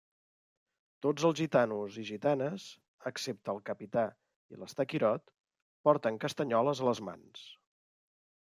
Tots els gitanos i gitanes, excepte el Capità i l'Estaquirot, porten castanyoles a les mans.